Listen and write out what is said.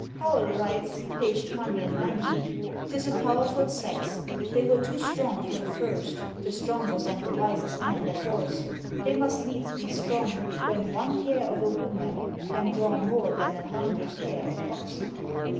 Howell writes, p. 290, "'Tis a powerful sex: they were too strong for the first, the strongest and wisest man that was; they must needs be strong, when one hair of a woman can draw more than an hundred pair of oxen."